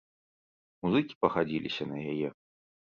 Музыкі пагадзіліся на яе.